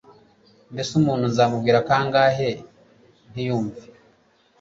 Mbese Umuntu nzamubwira kangahe ntiyumve